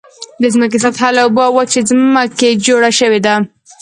د ځمکې سطحه له اوبو او وچې ځمکې جوړ شوې ده.